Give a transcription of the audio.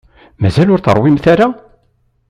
Mazal ur teṛwimt ara?